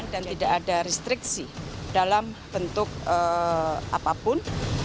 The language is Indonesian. dan tidak ada restriksi dalam bentuk apapun